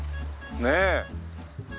ねえ。